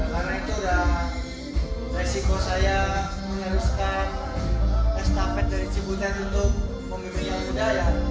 karena itu resiko saya meneruskan estafet dari cibutan untuk memimpin yang muda ya